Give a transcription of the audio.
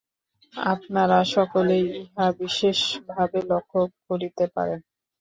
আপনারা সকলেই ইহা বিশেষভাবে লক্ষ্য করিতে পারেন।